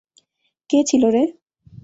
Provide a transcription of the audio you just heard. কে ছিল রে?